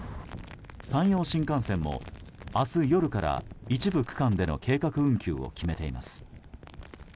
山陽新幹線も明日夜から一部区間での計画運休を決めています。